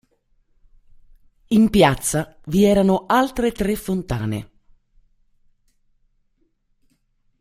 In piazza vi erano altre tre fontane.